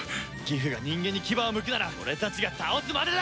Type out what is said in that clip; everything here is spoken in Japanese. ギフが人間に牙をむくなら俺たちが倒すまでだ！